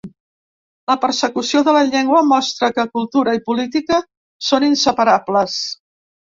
La persecució de la llengua mostra que cultura i política són inseparables.